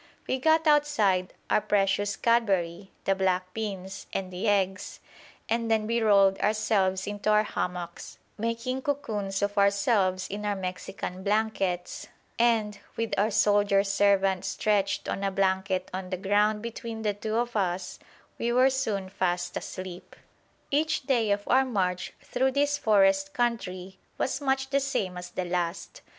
We got outside our precious Cadbury, the black beans, and the eggs, and then we rolled ourselves into our hammocks, making cocoons of ourselves in our Mexican blankets, and, with our soldier servant stretched on a blanket on the ground between the two of us, we were soon fast asleep. Each day of our march through this forest country was much the same as the last.